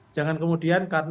jangan kemudian karena